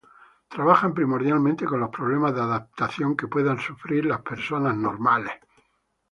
Trabajan primordialmente con los problemas de adaptación que pueda sufrir la persona "normal".